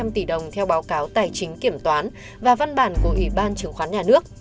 một trăm linh tỷ đồng theo báo cáo tài chính kiểm toán và văn bản của ủy ban chứng khoán nhà nước